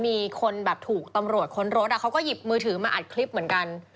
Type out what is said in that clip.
มีคนแบบถูกตำรวจค้นรถเขาก็หยิบมือถือมาอัดคลิปเหมือนกัน